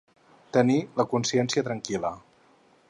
Tenir la consciència tranquil·la.